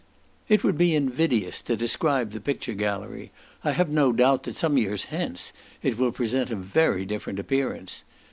It would be invidious to describe the picture gallery; I have no doubt, that some years hence it will present a very different appearance.